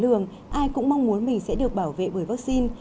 thường ai cũng mong muốn mình sẽ được bảo vệ bởi vaccine